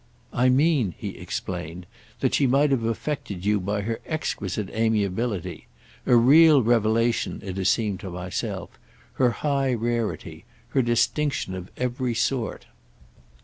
"I mean," he explained, "that she might have affected you by her exquisite amiability—a real revelation, it has seemed to myself; her high rarity, her distinction of every sort."